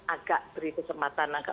agak beri kesempatan agak